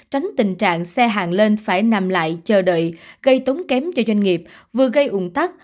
tránh tình trạng xe hàng lên phải nằm lại chờ đợi gây tốn kém cho doanh nghiệp vừa gây ủng tắc